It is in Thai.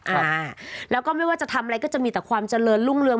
อ่าแล้วก็ไม่ว่าจะทำอะไรก็จะมีแต่ความเจริญรุ่งเรือง